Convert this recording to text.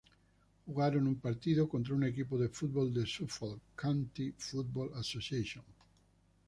Jugaron un partido contra un equipo de fútbol de Suffolk, County Football Association.